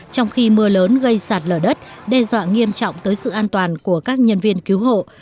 trong khi mưa lớn gây sạt lở đất đe dọa nghiêm trọng tới sự an toàn của các nhân viên cứu hộ